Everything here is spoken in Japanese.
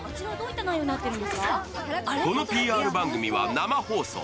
このＰＲ番組は生放送。